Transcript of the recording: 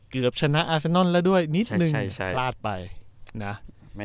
เกือบชนะอาเซนนอนแล้วด้วยนิดหนึ่งใช่ใช่ลาดไปนะไม่